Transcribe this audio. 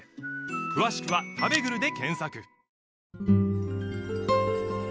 詳しくは「たべぐる」で検索